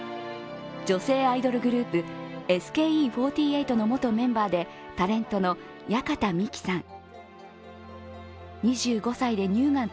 女性アイドルグループ、ＳＫＥ４８の元メンバーで、タレントの矢方美紀さん。